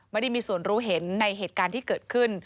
ไม่ได้มีส่วนรู้เห็นในเหตุการณ์ที่เกิดขึ้น